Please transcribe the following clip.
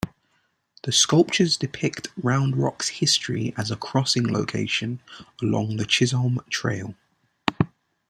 The sculptures depict Round Rock's history as a crossing location along the Chisholm Trail.